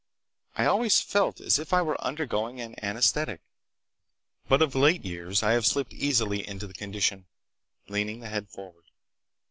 I always felt as if I were undergoing an anesthetic, but of late years I have slipped easily into the condition, leaning the head forward.